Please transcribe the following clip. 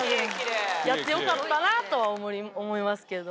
やってよかったなとは思いますけど。